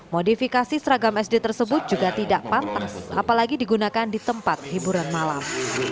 modifikasi seragam sd tersebut juga tidak pantas apalagi digunakan di tempat hiburan malam